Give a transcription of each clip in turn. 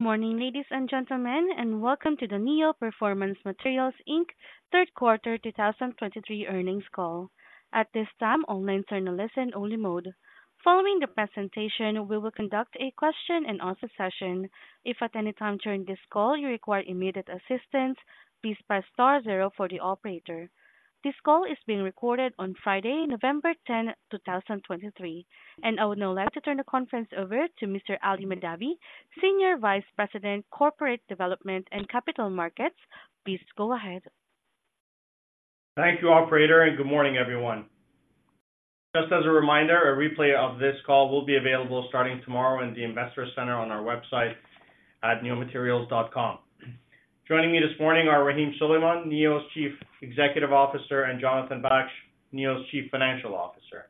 Morning, ladies and gentlemen, and welcome to the Neo Performance Materials Inc. third quarter 2023 earnings call. At this time, all lines are in a listen-only mode. Following the presentation, we will conduct a question-and-answer session. If at any time during this call you require immediate assistance, please press star zero for the operator. This call is being recorded on Friday, November 10, 2023, and I would now like to turn the conference over to Mr. Ali Mahdavi, Senior Vice President, Corporate Development and Capital Markets. Please go ahead. Thank you, operator, and good morning, everyone. Just as a reminder, a replay of this call will be available starting tomorrow in the Investor Center on our website at neomaterials.com. Joining me this morning are Rahim Suleman, Neo's Chief Executive Officer, and Jonathan Baksh, Neo's Chief Financial Officer.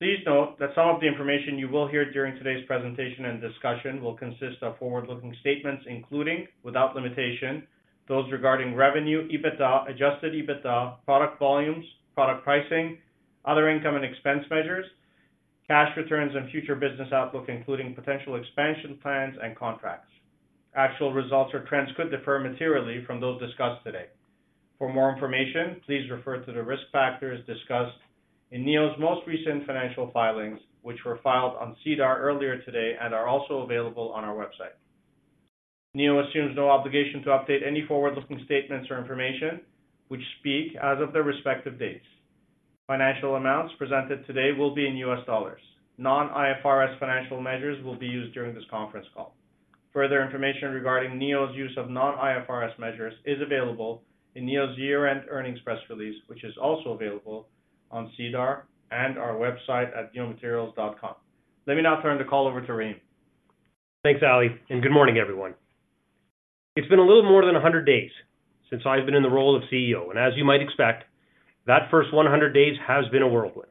Please note that some of the information you will hear during today's presentation and discussion will consist of forward-looking statements, including, without limitation, those regarding revenue, EBITDA, adjusted EBITDA, product volumes, product pricing, other income and expense measures, cash returns and future business outlook, including potential expansion plans and contracts. Actual results or trends could differ materially from those discussed today. For more information, please refer to the risk factors discussed in Neo's most recent financial filings, which were filed on SEDAR earlier today and are also available on our website. Neo assumes no obligation to update any forward-looking statements or information which speak as of their respective dates. Financial amounts presented today will be in U.S. dollars. Non-IFRS financial measures will be used during this conference call. Further information regarding Neo's use of non-IFRS measures is available in Neo's year-end earnings press release, which is also available on SEDAR and our website at neomaterials.com. Let me now turn the call over to Rahim. Thanks, Ali, and good morning, everyone. It's been a little more than 100 days since I've been in the role of CEO, and as you might expect, that first 100 days has been a whirlwind.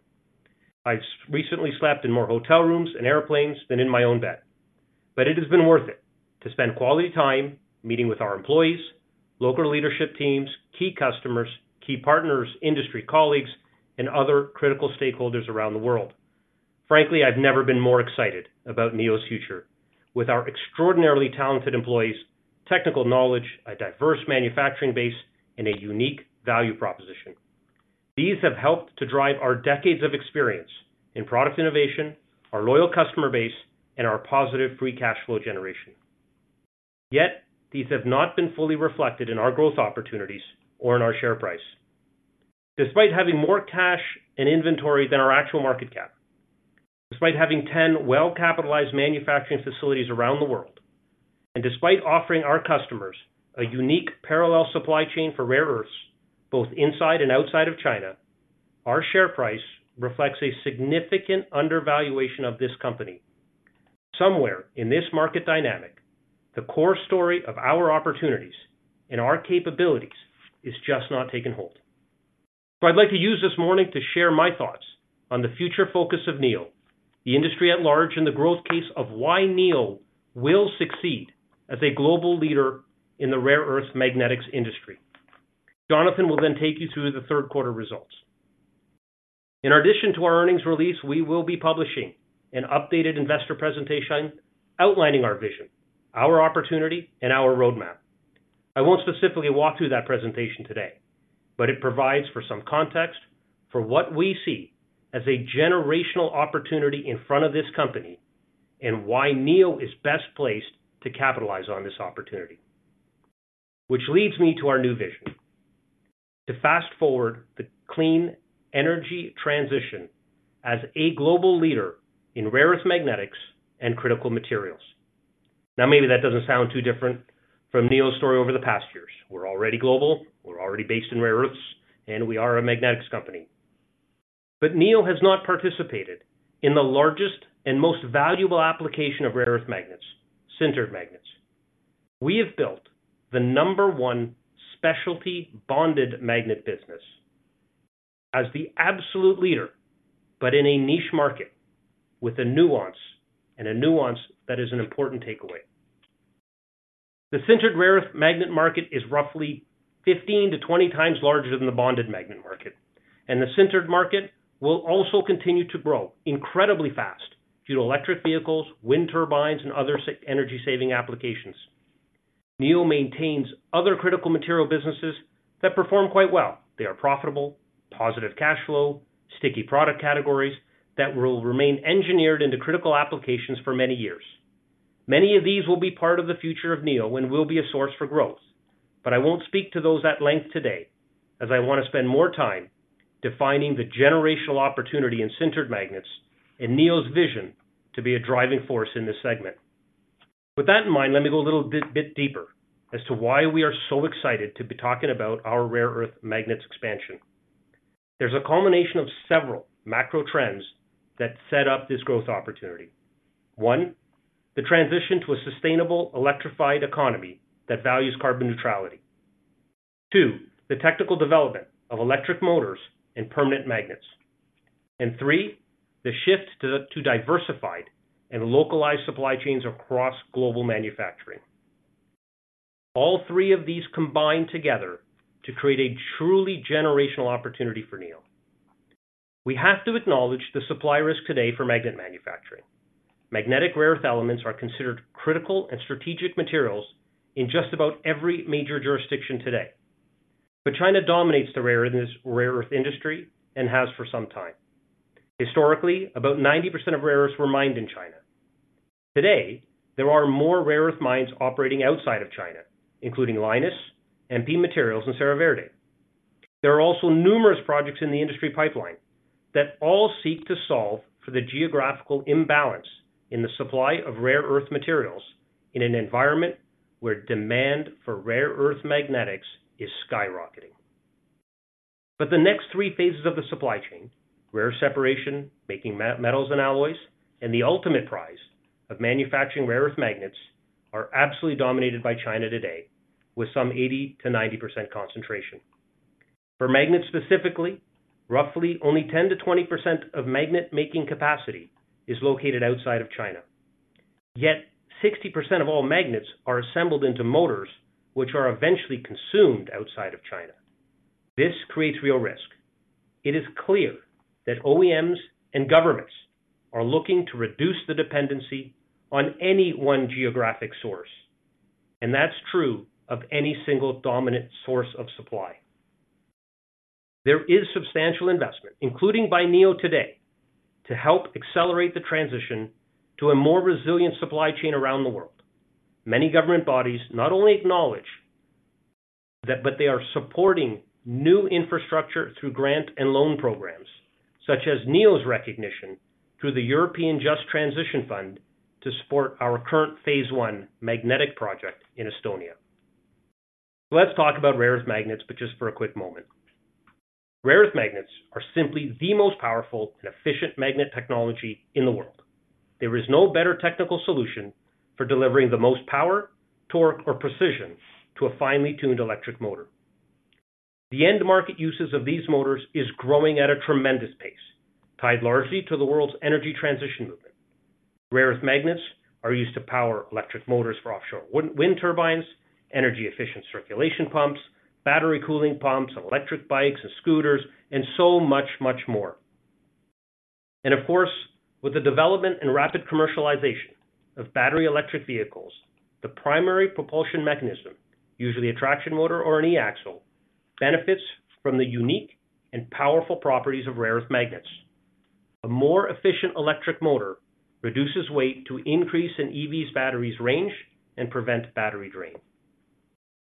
I've recently slept in more hotel rooms and airplanes than in my own bed, but it has been worth it to spend quality time meeting with our employees, local leadership teams, key customers, key partners, industry colleagues, and other critical stakeholders around the world. Frankly, I've never been more excited about Neo's future. With our extraordinarily talented employees, technical knowledge, a diverse manufacturing base, and a unique value proposition. These have helped to drive our decades of experience in product innovation, our loyal customer base, and our positive free cash flow generation. Yet, these have not been fully reflected in our growth opportunities or in our share price. Despite having more cash and inventory than our actual market cap, despite having 10 well-capitalized manufacturing facilities around the world, and despite offering our customers a unique parallel supply chain for rare earths, both inside and outside of China, our share price reflects a significant undervaluation of this company. Somewhere in this market dynamic, the core story of our opportunities and our capabilities is just not taking hold. So I'd like to use this morning to share my thoughts on the future focus of Neo, the industry at large, and the growth case of why Neo will succeed as a global leader in the rare earth magnetics industry. Jonathan will then take you through the third quarter results. In addition to our earnings release, we will be publishing an updated investor presentation outlining our vision, our opportunity, and our roadmap. I won't specifically walk through that presentation today, but it provides for some context for what we see as a generational opportunity in front of this company, and why Neo is best placed to capitalize on this opportunity. Which leads me to our new vision: To fast forward the clean energy transition as a global leader in rare earth magnetics and critical materials. Now, maybe that doesn't sound too different from Neo's story over the past years. We're already global, we're already based in rare earths, and we are a magnetics company. But Neo has not participated in the largest and most valuable application of rare earth magnets, sintered magnets. We have built the number one specialty bonded magnet business as the absolute leader, but in a niche market with a nuance, and a nuance that is an important takeaway. The sintered rare earth magnet market is roughly 15x-20x larger than the bonded magnet market, and the sintered market will also continue to grow incredibly fast due to electric vehicles, wind turbines, and other energy-saving applications. Neo maintains other critical material businesses that perform quite well. They are profitable, positive cash flow, sticky product categories that will remain engineered into critical applications for many years. Many of these will be part of the future of Neo and will be a source for growth, but I won't speak to those at length today, as I want to spend more time defining the generational opportunity in sintered magnets and Neo's vision to be a driving force in this segment. With that in mind, let me go a little bit, bit deeper as to why we are so excited to be talking about our rare earth magnets expansion. There's a culmination of several macro trends that set up this growth opportunity. One, the transition to a sustainable, electrified economy that values carbon neutrality. Two, the technical development of electric motors and permanent magnets. And three, the shift to diversified and localized supply chains across global manufacturing. All three of these combine together to create a truly generational opportunity for Neo. We have to acknowledge the supply risk today for magnet manufacturing. Magnetic rare earth elements are considered critical and strategic materials in just about every major jurisdiction today, but China dominates the rare earth industry and has for some time. Historically, about 90% of rare earths were mined in China. Today, there are more rare earth mines operating outside of China, including Lynas and MP Materials in Serra Verde. There are also numerous projects in the industry pipeline that all seek to solve for the geographical imbalance in the supply of rare earth materials in an environment where demand for rare earth magnetics is skyrocketing. But the next three phases of the supply chain, rare earth separation, making rare earth metals and alloys, and the ultimate prize of manufacturing rare earth magnets, are absolutely dominated by China today, with some 80%-90% concentration. For magnets specifically, roughly only 10%-20% of magnet-making capacity is located outside of China. Yet 60% of all magnets are assembled into motors, which are eventually consumed outside of China. This creates real risk. It is clear that OEMs and governments are looking to reduce the dependency on any one geographic source, and that's true of any single dominant source of supply. There is substantial investment, including by Neo today, to help accelerate the transition to a more resilient supply chain around the world. Many government bodies not only acknowledge that, but they are supporting new infrastructure through grant and loan programs, such as Neo's recognition through the European Just Transition Fund to support our current Phase I magnetic project in Estonia. Let's talk about rare earth magnets, but just for a quick moment. Rare earth magnets are simply the most powerful and efficient magnet technology in the world. There is no better technical solution for delivering the most power, torque, or precision to a finely tuned electric motor. The end market uses of these motors is growing at a tremendous pace, tied largely to the world's energy transition movement. Rare earth magnets are used to power electric motors for offshore wind turbines, energy-efficient circulation pumps, battery cooling pumps, electric bikes and scooters, and so much, much more. And of course, with the development and rapid commercialization of battery electric vehicles, the primary propulsion mechanism, usually a traction motor or an e-axle, benefits from the unique and powerful properties of rare earth magnets. A more efficient electric motor reduces weight to increase an EV's battery's range and prevent battery drain.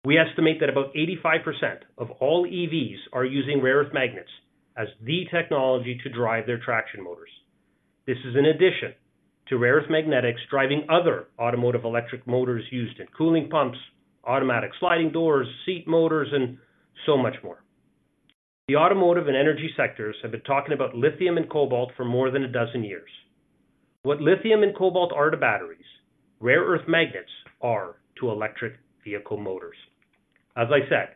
We estimate that about 85% of all EVs are using rare earth magnets as the technology to drive their traction motors. This is in addition to rare earth magnetics driving other automotive electric motors used in cooling pumps, automatic sliding doors, seat motors, and so much more. The automotive and energy sectors have been talking about lithium and cobalt for more than a dozen years. What lithium and cobalt are to batteries, rare earth magnets are to electric vehicle motors. As I said,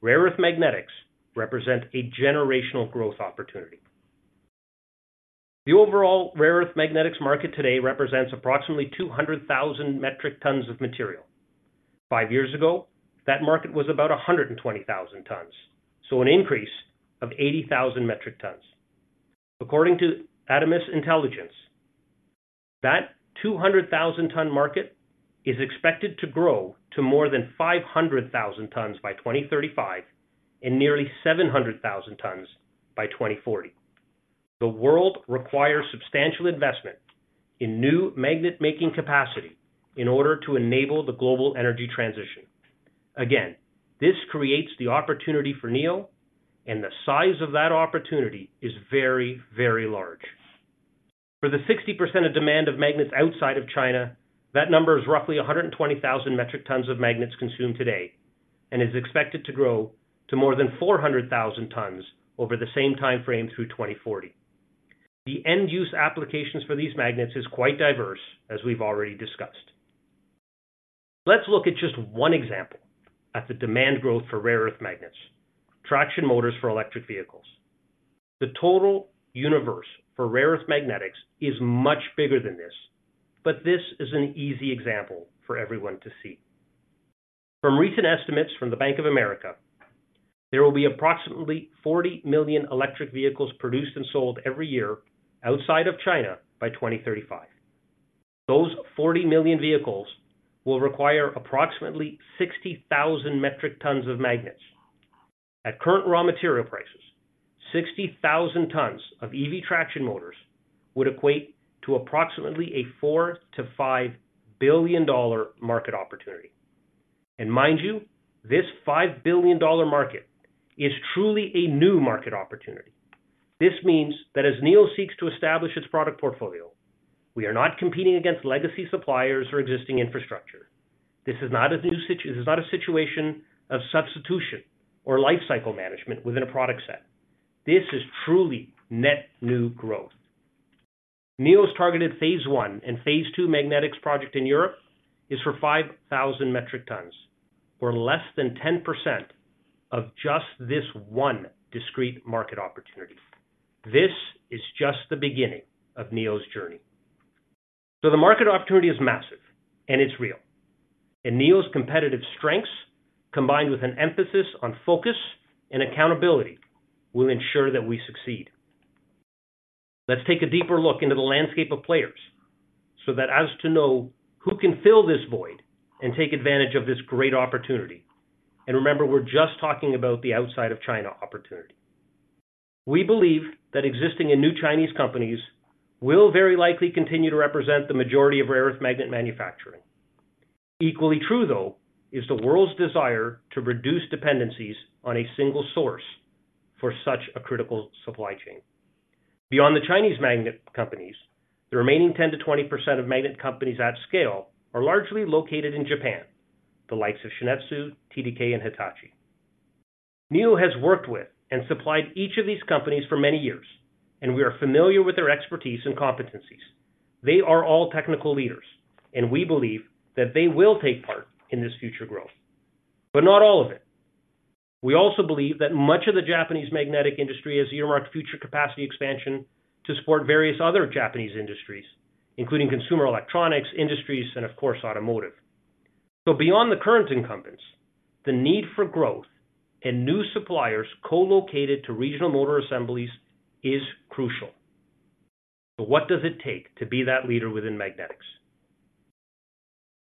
rare earth magnetics represent a generational growth opportunity. The overall rare earth magnetics market today represents approximately 200,000 metric tons of material. Five years ago, that market was about 120,000 tons, so an increase of 80,000 metric tons. According to Adamas Intelligence, that 200,000 ton market is expected to grow to more than 500,000 tons by 2035 and nearly 700,000 tons by 2040. The world requires substantial investment in new magnet-making capacity in order to enable the global energy transition. Again, this creates the opportunity for Neo, and the size of that opportunity is very, very large. For the 60% of demand of magnets outside of China, that number is roughly 120,000 metric tons of magnets consumed today and is expected to grow to more than 400,000 tons over the same time frame through 2040. The end-use applications for these magnets is quite diverse, as we've already discussed. Let's look at just one example at the demand growth for rare earth magnets, traction motors for electric vehicles. The total universe for rare earth magnetics is much bigger than this, but this is an easy example for everyone to see. From recent estimates from the Bank of America, there will be approximately 40 million electric vehicles produced and sold every year outside of China by 2035. Those 40 million vehicles will require approximately 60,000 metric tons of magnets. At current raw material prices, 60,000 tons of EV traction motors would equate to approximately a $4 billion-$5 billion market opportunity. And mind you, this $5 billion market is truly a new market opportunity. This means that as Neo seeks to establish its product portfolio, we are not competing against legacy suppliers or existing infrastructure. This is not a situation of substitution or life cycle management within a product set. This is truly net new growth. Neo's targeted Phase I and Phase II magnetics project in Europe is for 5,000 metric tons, or less than 10% of just this one discrete market opportunity. This is just the beginning of Neo's journey. So the market opportunity is massive, and it's real, and Neo's competitive strengths, combined with an emphasis on focus and accountability, will ensure that we succeed. Let's take a deeper look into the landscape of players so that as to know who can fill this void and take advantage of this great opportunity. Remember, we're just talking about the outside of China opportunity. We believe that existing and new Chinese companies will very likely continue to represent the majority of rare earth magnet manufacturing. Equally true, though, is the world's desire to reduce dependencies on a single source for such a critical supply chain. Beyond the Chinese magnet companies, the remaining 10%-20% of magnet companies at scale are largely located in Japan, the likes of Shin-Etsu, TDK, and Hitachi. Neo has worked with and supplied each of these companies for many years, and we are familiar with their expertise and competencies. They are all technical leaders, and we believe that they will take part in this future growth, but not all of it. We also believe that much of the Japanese magnetic industry has earmarked future capacity expansion to support various other Japanese industries, including consumer electronics, industries, and of course, automotive. So beyond the current incumbents, the need for growth and new suppliers co-located to regional motor assemblies is crucial. So what does it take to be that leader within magnetics?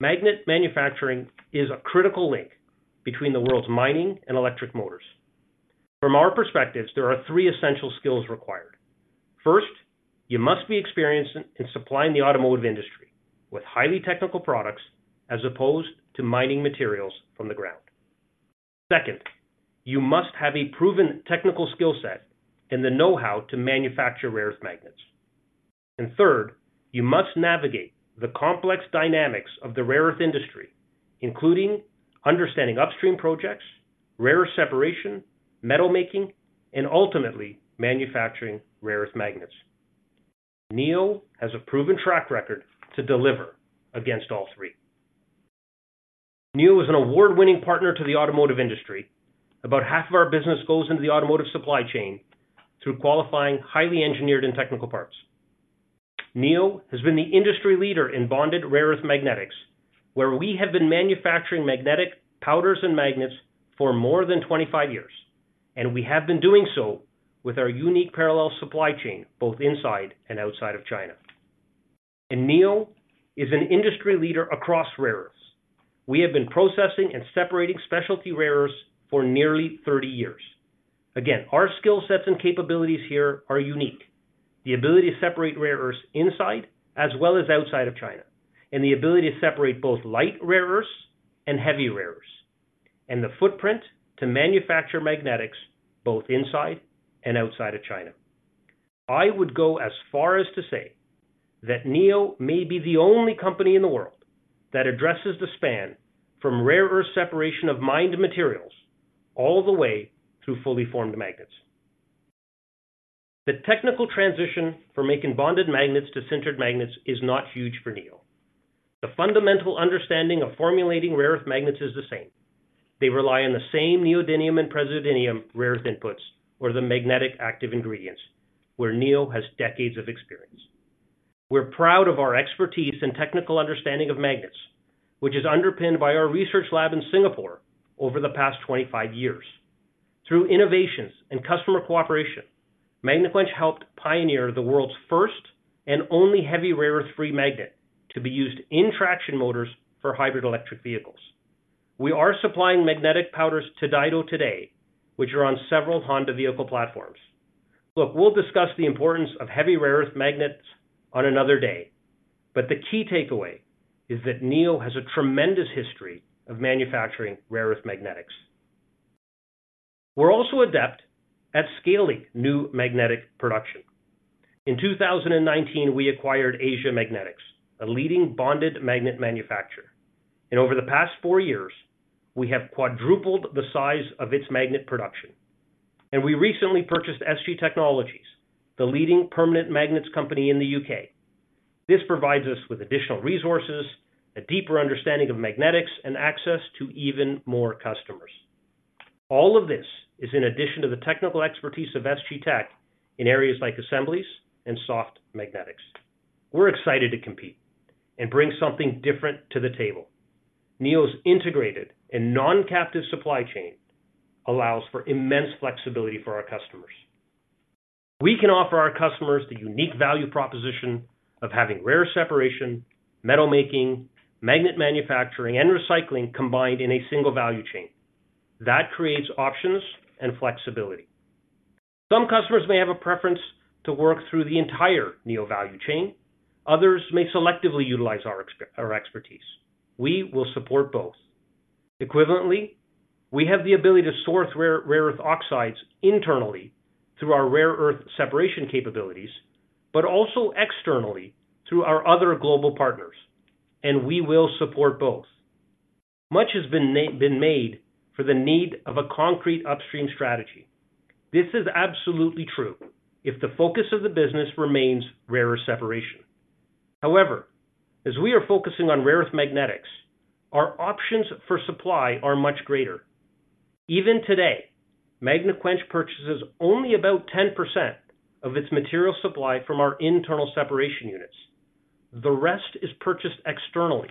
Magnet manufacturing is a critical link between the world's mining and electric motors. From our perspectives, there are three essential skills required. First, you must be experienced in supplying the automotive industry with highly technical products as opposed to mining materials from the ground. Second, you must have a proven technical skill set and the know-how to manufacture rare earth magnets. Third, you must navigate the complex dynamics of the rare earth industry, including understanding upstream projects, rare earth separation, metal making, and ultimately manufacturing rare earth magnets. Neo has a proven track record to deliver against all three. Neo is an award-winning partner to the automotive industry. About half of our business goes into the automotive supply chain through qualifying highly engineered and technical parts. Neo has been the industry leader in bonded rare earth magnetics, where we have been manufacturing magnetic powders and magnets for more than 25 years, and we have been doing so with our unique parallel supply chain, both inside and outside of China. Neo is an industry leader across rare earths. We have been processing and separating specialty rare earths for nearly 30 years. Again, our skill sets and capabilities here are unique. The ability to separate rare earths inside as well as outside of China, and the ability to separate both light rare earths and heavy rare earths, and the footprint to manufacture magnetics both inside and outside of China. I would go as far as to say that Neo may be the only company in the world that addresses the span from rare earth separation of mined materials all the way through fully formed magnets. The technical transition from making bonded magnets to sintered magnets is not huge for Neo. The fundamental understanding of formulating rare earth magnets is the same. They rely on the same neodymium and praseodymium rare earth inputs or the magnetic active ingredients, where Neo has decades of experience. We're proud of our expertise and technical understanding of magnets, which is underpinned by our research lab in Singapore over the past 25 years. Through innovations and customer cooperation, Magnequench helped pioneer the world's first and only heavy rare earth-free magnet to be used in traction motors for hybrid electric vehicles. We are supplying magnetic powders to Daido today, which are on several Honda vehicle platforms. Look, we'll discuss the importance of heavy rare earth magnets on another day, but the key takeaway is that Neo has a tremendous history of manufacturing rare earth magnetics. We're also adept at scaling new magnetic production. In 2019, we acquired Asia Magnetics, a leading bonded magnet manufacturer. Over the past four years, we have quadrupled the size of its magnet production, and we recently purchased SG Technologies, the leading permanent magnets company in the U.K. This provides us with additional resources, a deeper understanding of magnetics, and access to even more customers. All of this is in addition to the technical expertise of SG Technologies in areas like assemblies and soft magnetics. We're excited to compete and bring something different to the table. Neo's integrated and non-captive supply chain allows for immense flexibility for our customers. We can offer our customers the unique value proposition of having rare earth separation, metal making, magnet manufacturing, and recycling combined in a single value chain. That creates options and flexibility. Some customers may have a preference to work through the entire Neo value chain, others may selectively utilize our expertise. We will support both. Equivalently, we have the ability to source rare earth oxides internally through our rare earth separation capabilities, but also externally through our other global partners, and we will support both. Much has been made of the need for a concrete upstream strategy. This is absolutely true if the focus of the business remains rare earth separation. However, as we are focusing on rare earth magnetics, our options for supply are much greater. Even today, Magnequench purchases only about 10% of its material supply from our internal separation units. The rest is purchased externally,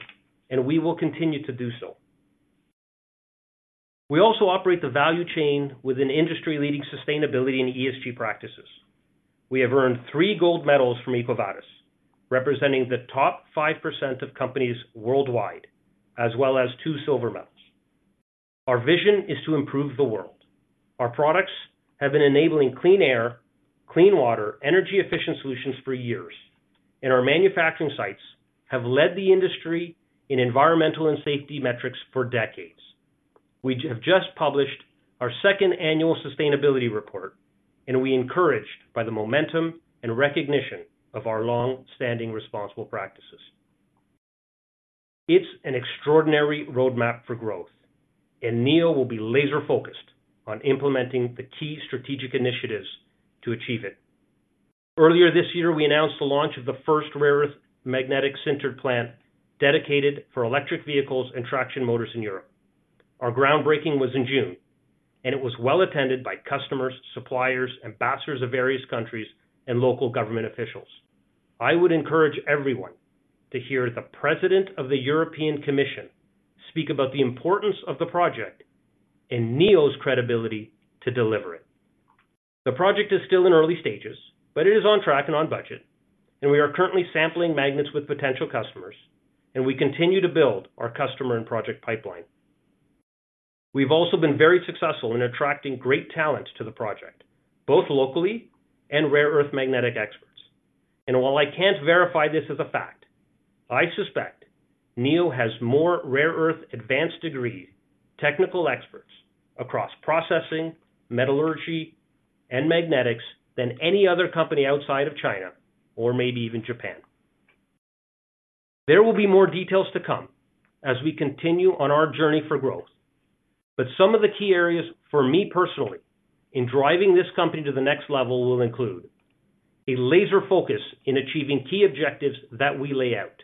and we will continue to do so. We also operate the value chain with an industry-leading sustainability and ESG practices. We have earned three gold medals from EcoVadis, representing the top 5% of companies worldwide, as well as two silver medals. Our vision is to improve the world. Our products have been enabling clean air, clean water, energy-efficient solutions for years, and our manufacturing sites have led the industry in environmental and safety metrics for decades. We have just published our second annual sustainability report, and we're encouraged by the momentum and recognition of our long-standing responsible practices. It's an extraordinary roadmap for growth, and Neo will be laser-focused on implementing the key strategic initiatives to achieve it. Earlier this year, we announced the launch of the first rare earth magnet sintered plant dedicated for electric vehicles and traction motors in Europe. Our groundbreaking was in June, and it was well attended by customers, suppliers, ambassadors of various countries, and local government officials. I would encourage everyone to hear the President of the European Commission speak about the importance of the project and Neo's credibility to deliver it. The project is still in early stages, but it is on track and on budget, and we are currently sampling magnets with potential customers, and we continue to build our customer and project pipeline. We've also been very successful in attracting great talent to the project, both locally and rare earth magnetic experts. And while I can't verify this as a fact, I suspect Neo has more rare earth advanced degree technical experts across processing, metallurgy, and magnetics than any other company outside of China or maybe even Japan. There will be more details to come as we continue on our journey for growth, but some of the key areas for me personally in driving this company to the next level will include: a laser focus in achieving key objectives that we lay out.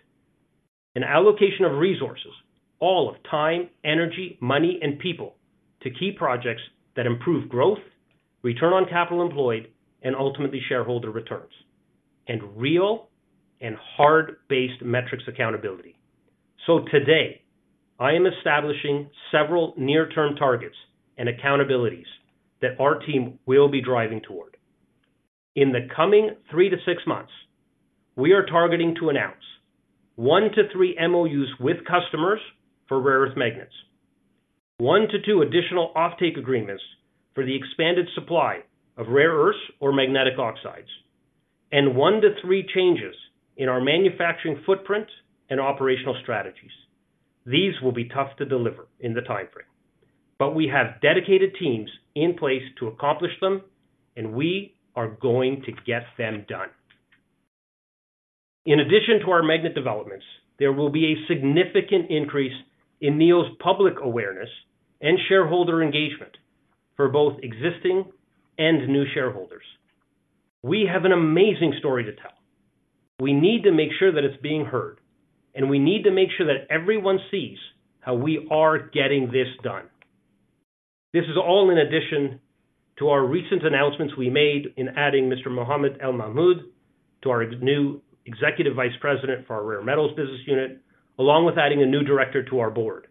An allocation of resources, all of time, energy, money, and people, to key projects that improve growth, return on capital employed, and ultimately shareholder returns. And real and hard-based metrics accountability. So today, I am establishing several near-term targets and accountabilities that our team will be driving toward. In the coming three to six months, we are targeting to announce one to three MOUs with customers for rare earth magnets, one to two additional offtake agreements for the expanded supply of rare earths or magnetic oxides, and one to three changes in our manufacturing footprint and operational strategies. These will be tough to deliver in the timeframe, but we have dedicated teams in place to accomplish them, and we are going to get them done. In addition to our magnet developments, there will be a significant increase in Neo's public awareness and shareholder engagement for both existing and new shareholders. We have an amazing story to tell. We need to make sure that it's being heard, and we need to make sure that everyone sees how we are getting this done. This is all in addition to our recent announcements we made in adding Mr. Mohamad El-Mahmoud to our new Executive Vice President for our Rare Metals business unit, along with adding a new director to our board.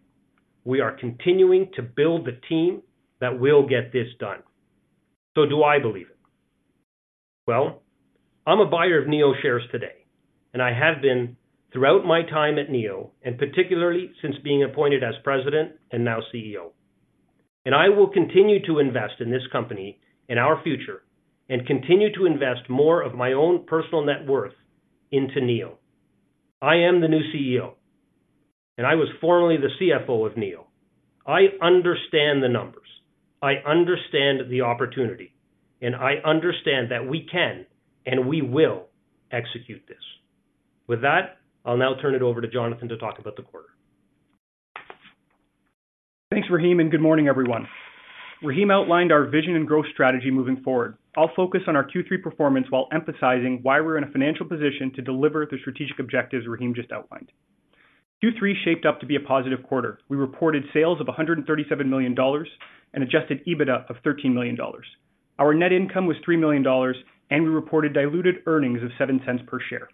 We are continuing to build the team that will get this done. So do I believe it? Well, I'm a buyer of Neo shares today, and I have been throughout my time at Neo, and particularly since being appointed as President and now CEO. I will continue to invest in this company and our future and continue to invest more of my own personal net worth into Neo. I am the new CEO, and I was formerly the CFO of Neo. I understand the numbers, I understand the opportunity, and I understand that we can and we will execute this. With that, I'll now turn it over to Jonathan to talk about the quarter. Thanks, Rahim, and good morning, everyone. Rahim outlined our vision and growth strategy moving forward. I'll focus on our Q3 performance while emphasizing why we're in a financial position to deliver the strategic objectives Rahim just outlined. Q3 shaped up to be a positive quarter. We reported sales of $137 million and adjusted EBITDA of $13 million. Our net income was $3 million, and we reported diluted earnings of $0.07 per share.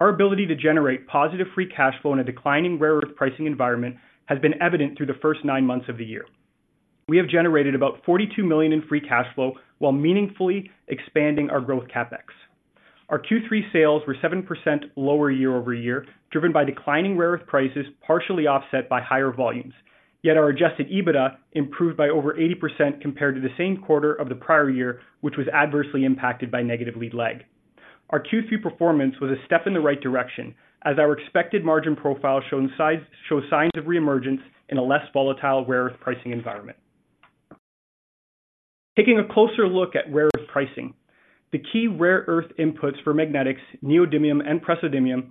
Our ability to generate positive free cash flow in a declining rare earth pricing environment has been evident through the first nine months of the year. We have generated about $42 million in free cash flow while meaningfully expanding our growth CapEx. Our Q3 sales were 7% lower year-over-year, driven by declining rare earth prices, partially offset by higher volumes. Yet our Adjusted EBITDA improved by over 80% compared to the same quarter of the prior year, which was adversely impacted by negative lead-lag. Our Q3 performance was a step in the right direction, as our expected margin profile show signs of reemergence in a less volatile, rare earth pricing environment. Taking a closer look at rare earth pricing, the key rare earth inputs for magnetics, neodymium and praseodymium,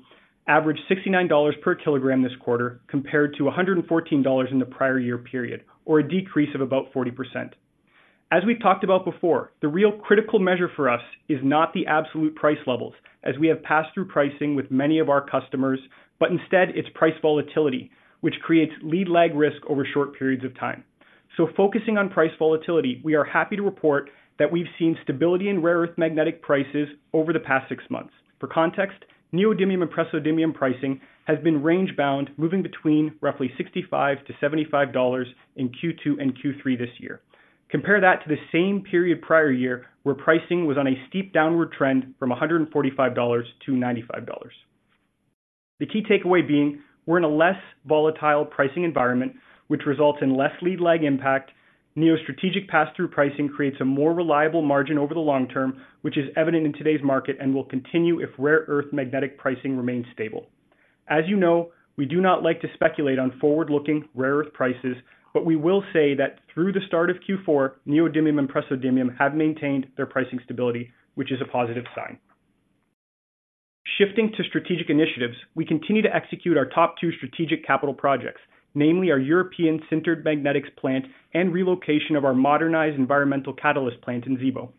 averaged $69 per kilogram this quarter, compared to $114 in the prior year period, or a decrease of about 40%. As we've talked about before, the real critical measure for us is not the absolute price levels, as we have passed through pricing with many of our customers, but instead it's price volatility, which creates lead-lag risk over short periods of time. So focusing on price volatility, we are happy to report that we've seen stability in rare earth magnetic prices over the past six months. For context, neodymium and praseodymium pricing has been range-bound, moving between roughly $65-$75 in Q2 and Q3 this year. Compare that to the same period prior year, where pricing was on a steep downward trend from $145 to $95. The key takeaway being, we're in a less volatile pricing environment, which results in less lead-lag impact. Neo strategic pass-through pricing creates a more reliable margin over the long term, which is evident in today's market and will continue if rare earth magnetic pricing remains stable. As you know, we do not like to speculate on forward-looking rare earth prices, but we will say that through the start of Q4, neodymium and praseodymium have maintained their pricing stability, which is a positive sign. Shifting to strategic initiatives, we continue to execute our top two strategic capital projects, namely our European sintered magnetics plant and relocation of our modernized environmental catalyst plant in Zibo.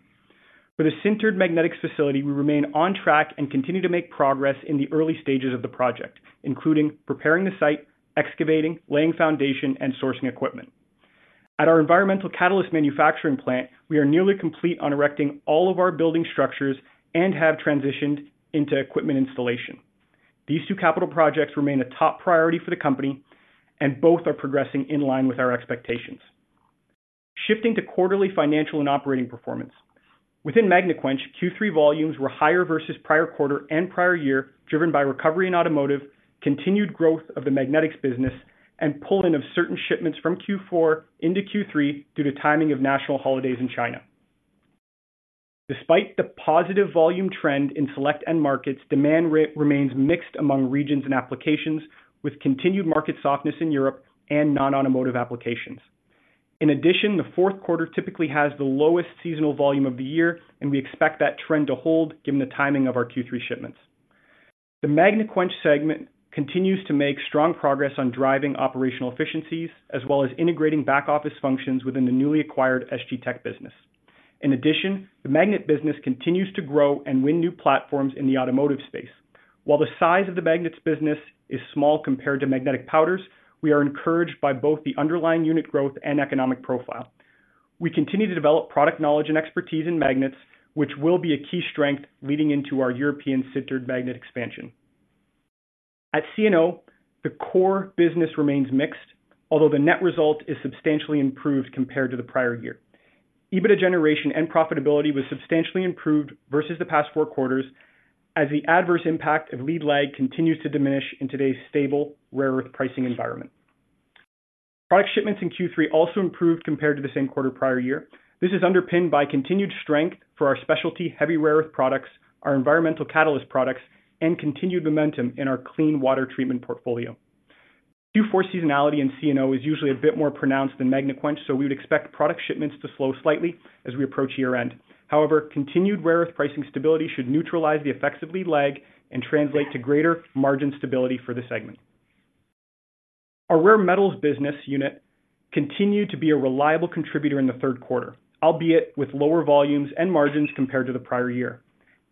For the sintered magnetics facility, we remain on track and continue to make progress in the early stages of the project, including preparing the site, excavating, laying foundation, and sourcing equipment. At our environmental catalyst manufacturing plant, we are nearly complete on erecting all of our building structures and have transitioned into equipment installation. These two capital projects remain a top priority for the company, and both are progressing in line with our expectations. Shifting to quarterly financial and operating performance. Within Magnequench, Q3 volumes were higher versus prior quarter and prior year, driven by recovery in automotive, continued growth of the magnetics business, and pull-in of certain shipments from Q4 into Q3 due to timing of national holidays in China. Despite the positive volume trend in select end markets, demand remains mixed among regions and applications, with continued market softness in Europe and non-automotive applications. In addition, the fourth quarter typically has the lowest seasonal volume of the year, and we expect that trend to hold given the timing of our Q3 shipments. The Magnequench segment continues to make strong progress on driving operational efficiencies, as well as integrating back-office functions within the newly acquired SG Tech business. In addition, the magnet business continues to grow and win new platforms in the automotive space. While the size of the magnets business is small compared to magnetic powders, we are encouraged by both the underlying unit growth and economic profile. We continue to develop product knowledge and expertise in magnets, which will be a key strength leading into our European sintered magnet expansion. At Neo, the core business remains mixed, although the net result is substantially improved compared to the prior year. EBITDA generation and profitability was substantially improved versus the past four quarters, as the adverse impact of lead-lag continues to diminish in today's stable, rare earth pricing environment. Product shipments in Q3 also improved compared to the same quarter prior year. This is underpinned by continued strength for our specialty heavy rare earth products, our environmental catalyst products, and continued momentum in our clean water treatment portfolio. Q4 seasonality in C&O is usually a bit more pronounced than Magnequench, so we would expect product shipments to slow slightly as we approach year-end. However, continued rare earth pricing stability should neutralize the effects of lead-lag and translate to greater margin stability for the segment. Our Rare Metals business unit continued to be a reliable contributor in the third quarter, albeit with lower volumes and margins compared to the prior year.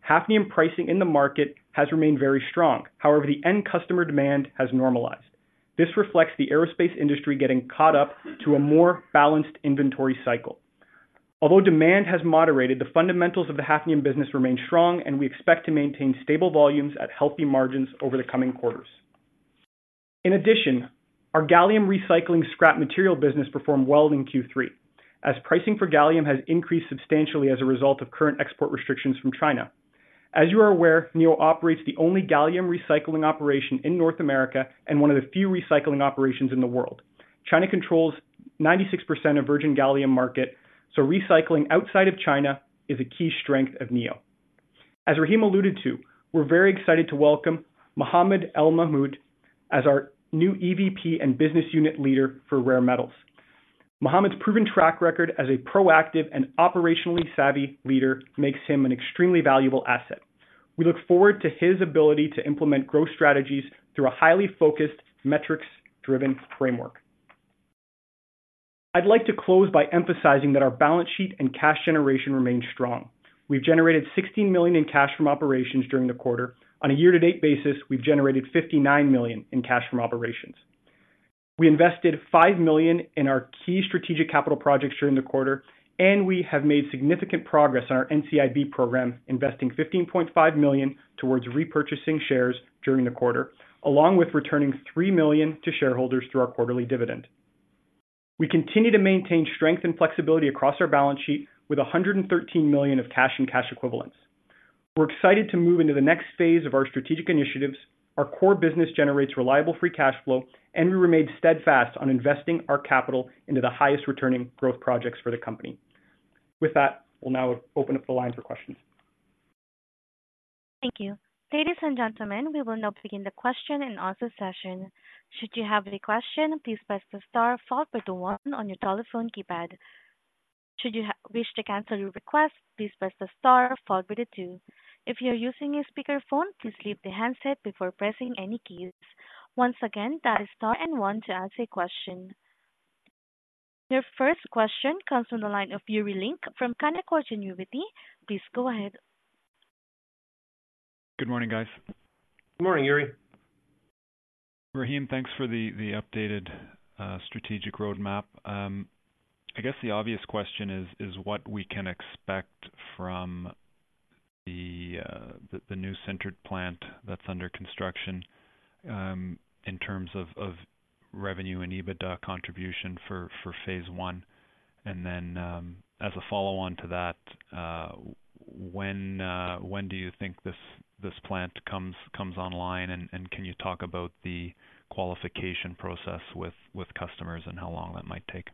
Hafnium pricing in the market has remained very strong. However, the end customer demand has normalized. This reflects the aerospace industry getting caught up to a more balanced inventory cycle. Although demand has moderated, the fundamentals of the hafnium business remain strong, and we expect to maintain stable volumes at healthy margins over the coming quarters. In addition, our gallium recycling scrap material business performed well in Q3, as pricing for gallium has increased substantially as a result of current export restrictions from China. As you are aware, Neo operates the only gallium recycling operation in North America and one of the few recycling operations in the world. China controls 96% of virgin gallium market, so recycling outside of China is a key strength of Neo. As Rahim alluded to, we're very excited to welcome Mohamad El-Mahmoud as our new EVP and business unit leader for rare metals. Mohamad's proven track record as a proactive and operationally savvy leader makes him an extremely valuable asset. We look forward to his ability to implement growth strategies through a highly focused, metrics-driven framework. I'd like to close by emphasizing that our balance sheet and cash generation remain strong. We've generated $16 million in cash from operations during the quarter. On a year-to-date basis, we've generated $59 million in cash from operations. We invested $5 million in our key strategic capital projects during the quarter, and we have made significant progress on our NCIB program, investing $15.5 million towards repurchasing shares during the quarter, along with returning $3 million to shareholders through our quarterly dividend. We continue to maintain strength and flexibility across our balance sheet with $113 million of cash and cash equivalents. We're excited to move into the next phase of our strategic initiatives. Our core business generates reliable free cash flow, and we remain steadfast on investing our capital into the highest returning growth projects for the company. With that, we'll now open up the line for questions. Thank you. Ladies and gentlemen, we will now begin the question and answer session. Should you have any question, please press the star followed by the one on your telephone keypad. Should you wish to cancel your request, please press the star followed by the two. If you're using a speakerphone, please leave the handset before pressing any keys. Once again, that is star and one to ask a question. Your first question comes from the line of Yuri Lynk from Canaccord Genuity. Please go ahead. Good morning, guys. Good morning, Yuri. Rahim, thanks for the updated strategic roadmap. I guess the obvious question is what we can expect from the new sintered plant that's under construction, in terms of revenue and EBITDA contribution for Phase I. And then, as a follow-on to that, when do you think this plant comes online, and can you talk about the qualification process with customers and how long that might take?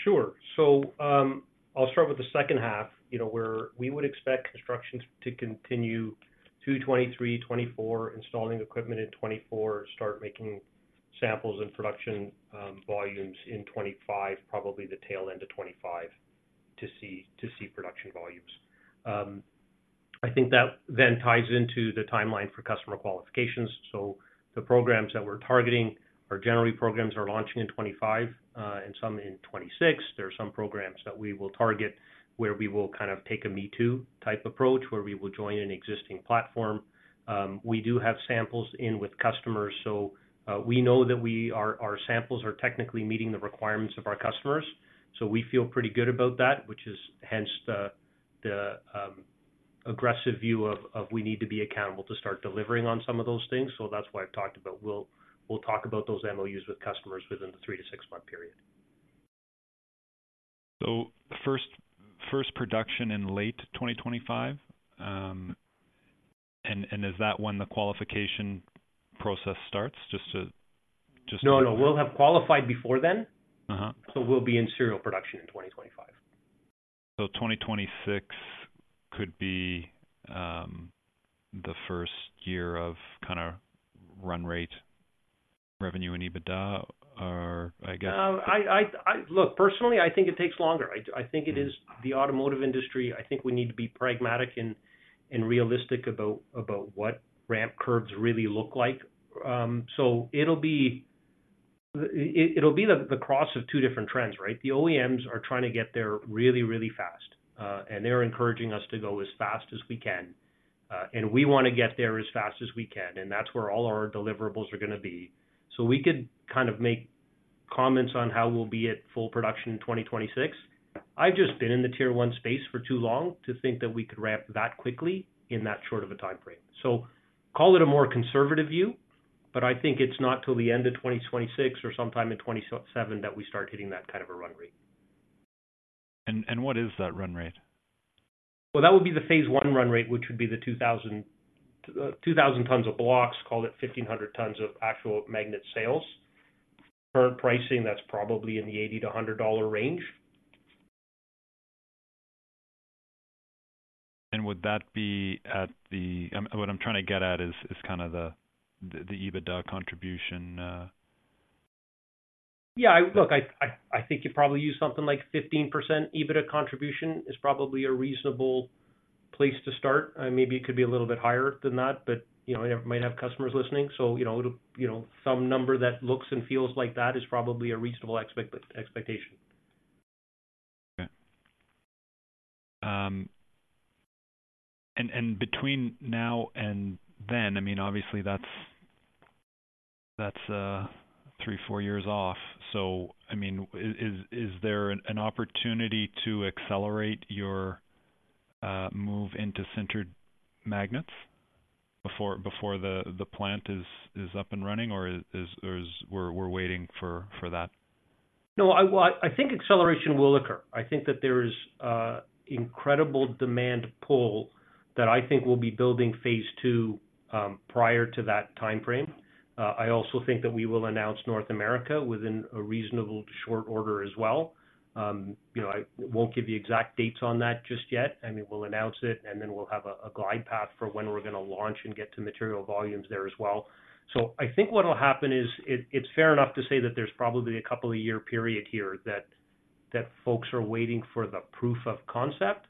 Sure. So, I'll start with the second half. You know, where we would expect construction to continue 2023, 2024, installing equipment in 2024, start making samples and production volumes in 2025, probably the tail end of 2025, to see production volumes. I think that then ties into the timeline for customer qualifications. So the programs that we're targeting are generally programs are launching in 2025, and some in 2026. There are some programs that we will target where we will kind of take a me-too type approach, where we will join an existing platform. We do have samples in with customers, so we know that our samples are technically meeting the requirements of our customers. So we feel pretty good about that, which is hence the aggressive view of we need to be accountable to start delivering on some of those things. So that's why I've talked about we'll talk about those MOUs with customers within the three to six month period. So, first production in late 2025? And is that when the qualification process starts, just to— No, no, we'll have qualified before then. Uh-huh. We'll be in serial production in 2025. 2026 could be the first year of kind of run rate revenue and EBITDA, or I guess- Look, personally, I think it takes longer. I think it is the automotive industry. I think we need to be pragmatic and realistic about what ramp curves really look like. So it'll be the cross of two different trends, right? The OEMs are trying to get there really, really fast, and they're encouraging us to go as fast as we can, and we want to get there as fast as we can, and that's where all our deliverables are going to be. So we could kind of make comments on how we'll be at full production in 2026. I've just been in the Tier 1 space for too long to think that we could ramp that quickly in that short of a time frame. Call it a more conservative view, but I think it's not till the end of 2026 or sometime in 2027 that we start hitting that kind of a run rate. What is that run rate? Well, that would be the Phase I run rate, which would be the 2,000, 2,000 tons of blocks, call it 1,500 tons of actual magnet sales. Current pricing, that's probably in the $80-$100 range. Would that be at the, what I'm trying to get at is kind of the EBITDA contribution Yeah, look, I think you probably use something like 15% EBITDA contribution is probably a reasonable place to start. Maybe it could be a little bit higher than that, but, you know, I might have customers listening. So, you know, it'll, you know, some number that looks and feels like that is probably a reasonable expectation. Okay. And between now and then, I mean, obviously, that's three to four years off. So, I mean, is there an opportunity to accelerate your move into sintered magnets before the plant is up and running, or are we waiting for that? No, I, well, I think acceleration will occur. I think that there is incredible demand pull that I think will be building Phase II prior to that time frame. I also think that we will announce North America within a reasonable short order as well. You know, I won't give you exact dates on that just yet. I mean, we'll announce it, and then we'll have a glide path for when we're going to launch and get to material volumes there as well. So I think what will happen is, it, it's fair enough to say that there's probably a couple of year period here that, that folks are waiting for the proof of concept.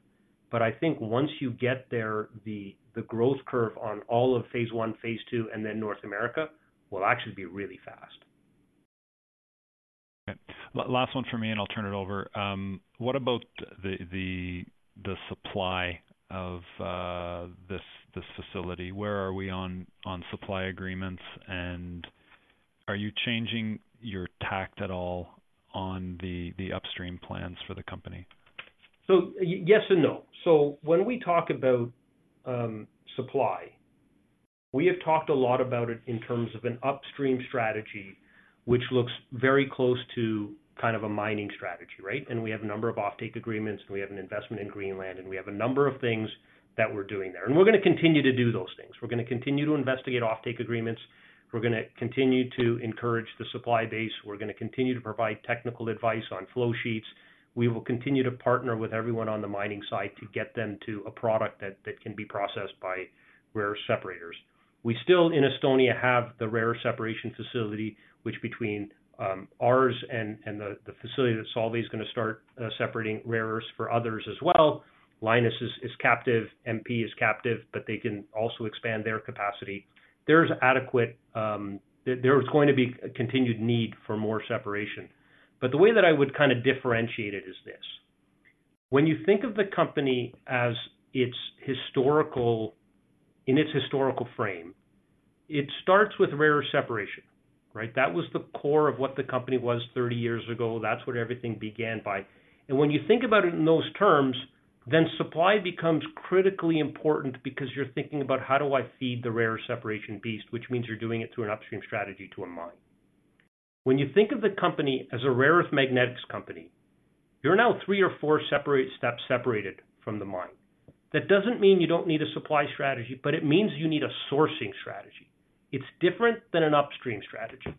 But I think once you get there, the, the growth curve on all of Phase I, Phase II, and then North America, will actually be really fast. Okay. Last one for me, and I'll turn it over. What about the supply of this facility? Where are we on supply agreements, and are you changing your tack at all on the upstream plans for the company? So yes and no. So when we talk about supply, we have talked a lot about it in terms of an upstream strategy, which looks very close to kind of a mining strategy, right? And we have a number of offtake agreements, and we have an investment in Greenland, and we have a number of things that we're doing there. And we're going to continue to do those things. We're going to continue to investigate offtake agreements. We're going to continue to encourage the supply base. We're going to continue to provide technical advice on flow sheets. We will continue to partner with everyone on the mining site to get them to a product that can be processed by rare separators. We still, in Estonia, have the rare separation facility, which between ours and the facility that Solvay is going to start separating rare earths for others as well. Lynas is captive, MP is captive, but they can also expand their capacity. There's adequate. There's going to be a continued need for more separation. But the way that I would kind of differentiate it is this: when you think of the company as its historical, in its historical frame, it starts with rare separation, right? That was the core of what the company was 30 years ago. That's what everything began by. And when you think about it in those terms, then supply becomes critically important because you're thinking about how do I feed the rare separation beast, which means you're doing it through an upstream strategy to a mine. When you think of the company as a rare earth magnetics company, you're now three or four separate steps separated from the mine. That doesn't mean you don't need a supply strategy, but it means you need a sourcing strategy. It's different than an upstream strategy,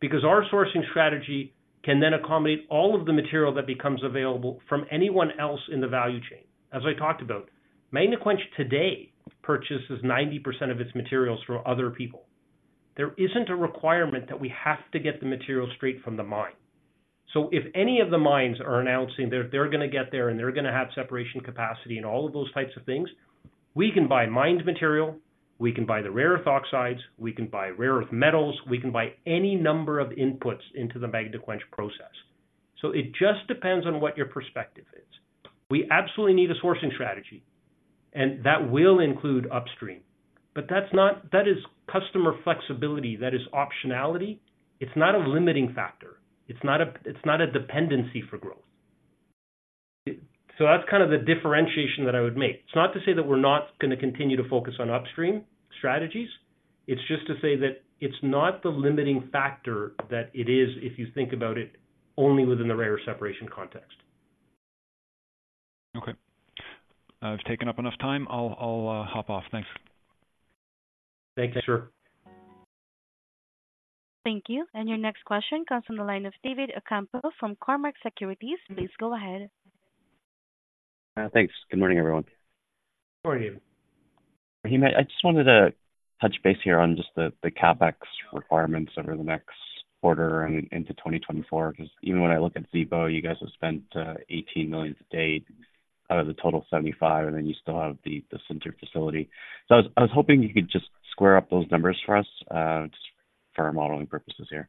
because our sourcing strategy can then accommodate all of the material that becomes available from anyone else in the value chain. As I talked about, Magnequench today purchases 90% of its materials from other people. There isn't a requirement that we have to get the material straight from the mine. So if any of the mines are announcing they're going to get there and they're going to have separation capacity and all of those types of things, we can buy mined material, we can buy the rare earth oxides, we can buy rare earth metals, we can buy any number of inputs into the Magnequench process. So it just depends on what your perspective is. We absolutely need a sourcing strategy, and that will include upstream, but that's not-- That is customer flexibility, that is optionality. It's not a limiting factor. It's not a, it's not a dependency for growth. So that's kind of the differentiation that I would make. It's not to say that we're not going to continue to focus on upstream strategies. It's just to say that it's not the limiting factor that it is if you think about it only within the rare separation context. Okay. I've taken up enough time. I'll hop off. Thanks. Thanks, sir. Thank you. And your next question comes from the line of David Ocampo from Cormark Securities. Please go ahead. Thanks. Good morning, everyone. Good morning. Rahim, I just wanted to touch base here on just the CapEx requirements over the next quarter and into 2024, because even when I look at Zibo, you guys have spent $18 million to date out of the total $75 million, and then you still have the sintered facility. So I was hoping you could just square up those numbers for us, just for our modeling purposes here.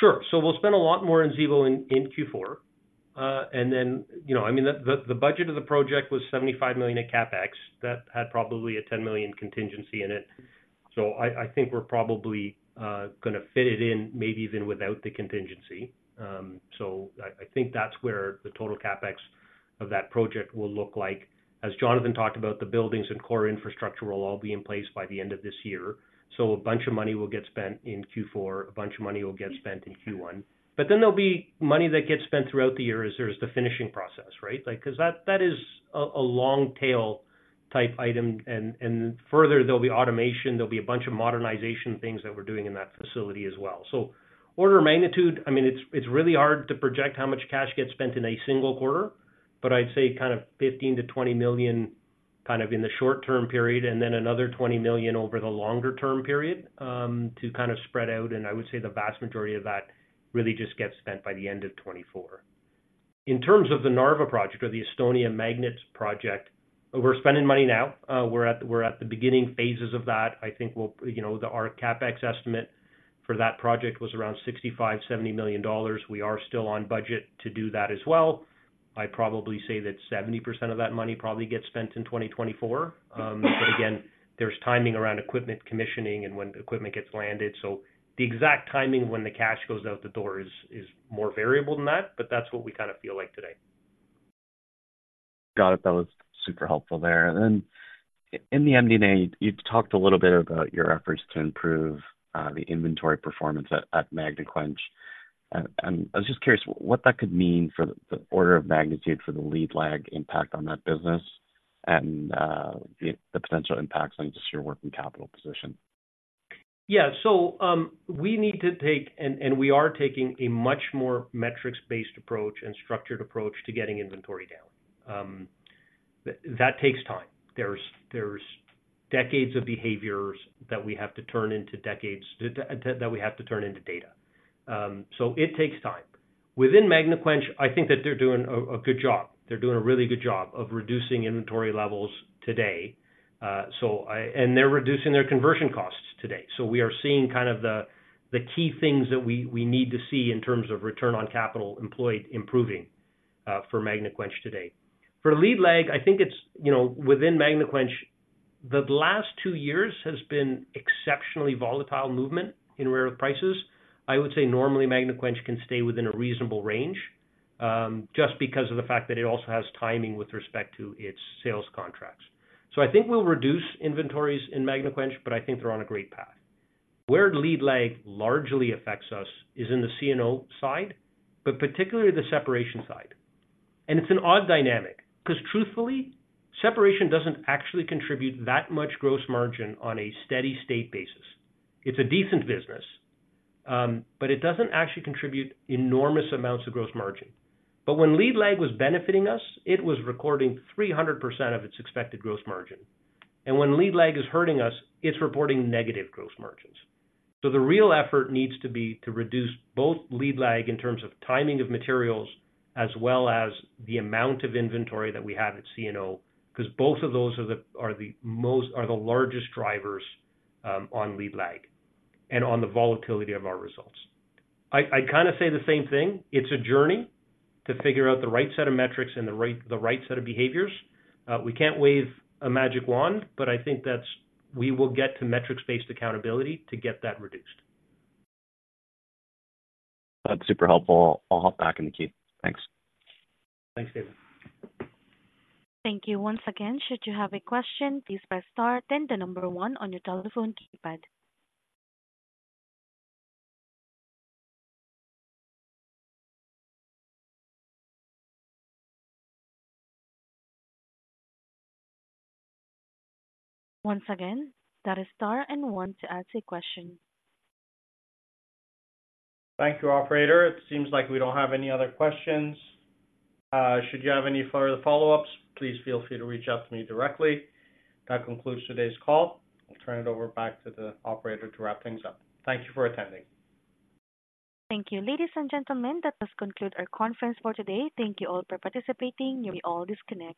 Sure. So we'll spend a lot more in Zibo in Q4. And then, you know, I mean, the budget of the project was $75 million in CapEx. That had probably a $10 million contingency in it. So I think we're probably going to fit it in, maybe even without the contingency. So I think that's where the total CapEx of that project will look like. As Jonathan talked about, the buildings and core infrastructure will all be in place by the end of this year, so a bunch of money will get spent in Q4, a bunch of money will get spent in Q1. But then there'll be money that gets spent throughout the year as there's the finishing process, right? Because that is a long tail type item, and further, there'll be automation, there'll be a bunch of modernization things that we're doing in that facility as well. So order of magnitude, I mean, it's really hard to project how much cash gets spent in a single quarter, but I'd say kind of $15 million-$20 million kind of in the short term period, and then another $20 million over the longer term period, to kind of spread out, and I would say the vast majority of that really just gets spent by the end of 2024. In terms of the Narva project or the Estonian Magnets project, we're spending money now. We're at the beginning phases of that. I think we'll. You know, our CapEx estimate for that project was around $65 million-$70 million. We are still on budget to do that as well. I'd probably say that 70% of that money probably gets spent in 2024. But again, there's timing around equipment commissioning and when equipment gets landed. So the exact timing when the cash goes out the door is more variable than that, but that's what we kind of feel like today. Got it. That was super helpful there. And then in the MD&A, you talked a little bit about your efforts to improve the inventory performance at Magnequench. And I was just curious what that could mean for the order of magnitude for the lead-lag impact on that business and the potential impacts on just your working capital position. Yeah. So, we need to take, and we are taking a much more metrics-based approach and structured approach to getting inventory down. That takes time. There's decades of behaviors that we have to turn into data. So it takes time. Within Magnequench, I think that they're doing a good job. They're doing a really good job of reducing inventory levels today, so, and they're reducing their conversion costs today. So we are seeing kind of the key things that we need to see in terms of return on capital employed improving for Magnequench today. For lead-lag, I think it's, you know, within Magnequench, the last two years has been exceptionally volatile movement in rare earth prices. I would say normally, Magnequench can stay within a reasonable range, just because of the fact that it also has timing with respect to its sales contracts. So I think we'll reduce inventories in Magnequench, but I think they're on a great path. Where lead-lag largely affects us is in the C&O side, but particularly the separation side. It's an odd dynamic, because truthfully, separation doesn't actually contribute that much gross margin on a steady state basis. It's a decent business, but it doesn't actually contribute enormous amounts of gross margin. But when lead-lag was benefiting us, it was recording 300% of its expected gross margin. When lead-lag is hurting us, it's reporting negative gross margins. So the real effort needs to be to reduce both lead-lag in terms of timing of materials, as well as the amount of inventory that we have at Neo, because both of those are the largest drivers on lead-lag and on the volatility of our results. I kind of say the same thing: It's a journey to figure out the right set of metrics and the right set of behaviors. We can't wave a magic wand, but I think that's—we will get to metrics-based accountability to get that reduced. That's super helpful. I'll hop back in the queue. Thanks. Thanks, David. Thank you. Once again, should you have a question, please press star then the number one on your telephone keypad. Once again, that is star and one to ask a question. Thank you, operator. It seems like we don't have any other questions. Should you have any further follow-ups, please feel free to reach out to me directly. That concludes today's call. I'll turn it over back to the operator to wrap things up. Thank you for attending. Thank you, ladies and gentlemen, that does conclude our conference for today. Thank you all for participating. You're all disconnected.